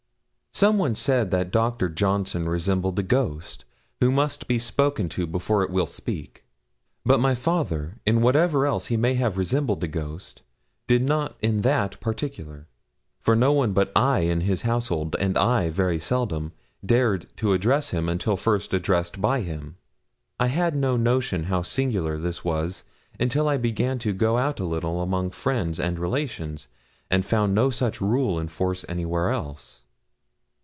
Some one said that Dr. Johnson resembled a ghost, who must be spoken to before it will speak. But my father, in whatever else he may have resembled a ghost, did not in that particular; for no one but I in his household and I very seldom dared to address him until first addressed by him. I had no notion how singular this was until I began to go out a little among friends and relations, and found no such rule in force anywhere else.